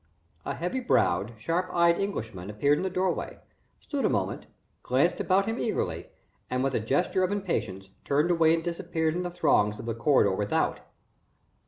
A heavy browed, sharp eyed Englishman appeared in the doorway, stood a moment, glanced about him eagerly, and, with a gesture of impatience, turned away and disappeared in the throngs of the corridor without.